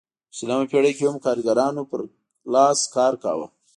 په شلمه پېړۍ کې هم کارګرانو پر لاس کار کاوه.